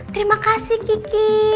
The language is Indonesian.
terima kasih kiki